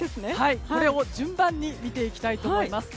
順番に見ていきたいと思います。